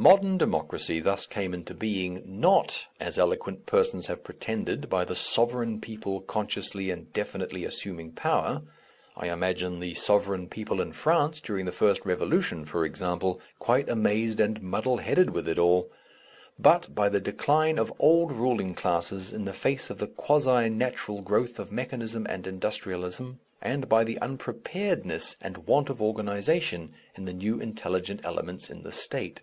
Modern Democracy thus came into being, not, as eloquent persons have pretended, by the sovereign people consciously and definitely assuming power I imagine the sovereign people in France during the first Revolution, for example, quite amazed and muddle headed with it all but by the decline of old ruling classes in the face of the quasi natural growth of mechanism and industrialism, and by the unpreparedness and want of organization in the new intelligent elements in the State.